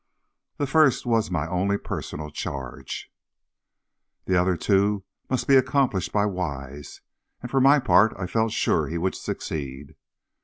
The first was my only personal charge. The other two must be accomplished by Wise, and for my part I felt sure he would succeed.